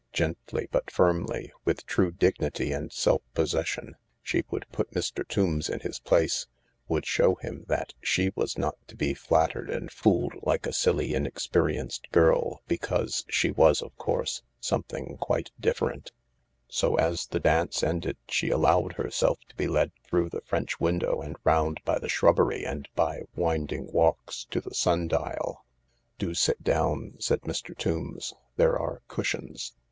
Gently but firmly, with true dignity and self possession, she would put Mr. Tombs in his place, would show him that she was not to be flattered and fooled like a silly, inexperienced girl, because she was, of course, something quite different, , So as the dance ended she allowed herself to be led through the French window and round by the shrubbery and by wind ing walks to the sundial. 268 THE LARK " Do sit down," said Mr. Tombs ;" there are cushions.